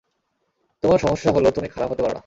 তোমার সমস্যা হলো তুমি খারাপ হতে পারো না!